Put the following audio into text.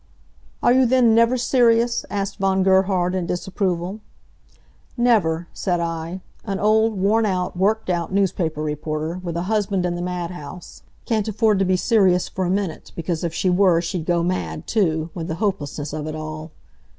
"Are you then never serious?" asked Von Gerhard, in disapproval. "Never," said I. "An old, worn out, worked out newspaper reporter, with a husband in the mad house, can't afford to be serious for a minute, because if she were she'd go mad, too, with the hopelessness of it all."